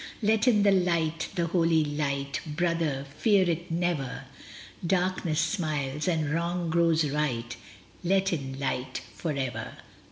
Let in the light, the holy light, Brother, fear it never, Darkness smiles, and wrong grows right; Vet in light for ever.